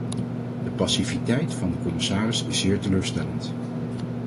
De passiviteit van de commissaris is zeer teleurstellend.